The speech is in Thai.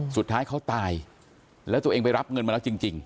สุดท้ายเขาตายแล้วตัวเองไปรับเงินมาแล้วจริง